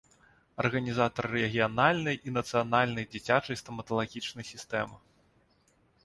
Арганізатар рэгіянальнай і нацыянальнай дзіцячай стаматалагічнай сістэмы.